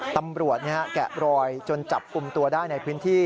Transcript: ตำรวจแกะรอยจนจับกลุ่มตัวได้ในพื้นที่